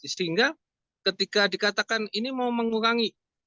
sehingga ketika dikatakan ini mau mengurangi